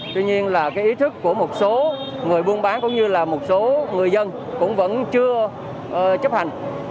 tuy nhiên là cái ý thức của một số người buôn bán cũng như là một số người dân cũng vẫn chưa chấp hành